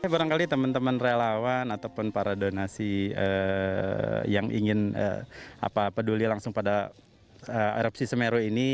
barangkali teman teman relawan ataupun para donasi yang ingin peduli langsung pada erupsi semeru ini